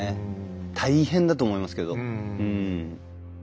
大変だと思いますけどうん。